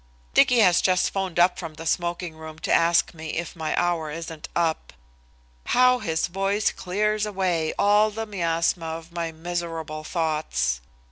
Dicky has just 'phoned up from the smoking room to ask me if my hour isn't up. How his voice clears away all the miasma of my miserable thoughts!